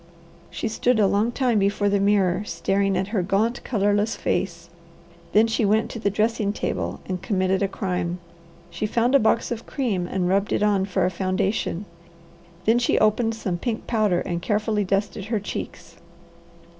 She stood a long time before the mirror, staring at her gaunt, colourless face; then she went to the dressing table and committed a crime. She found a box of cream and rubbed it on for a foundation. Then she opened some pink powder, and carefully dusted her cheeks.